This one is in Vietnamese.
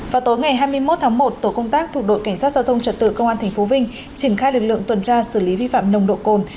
vào tối ngày hai mươi một tháng một tổ công tác thuộc đội cảnh sát giao thông trật tự công an tp vinh triển khai lực lượng tuần tra xử lý vi phạm nồng độ cồn